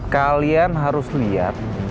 kalian harus liat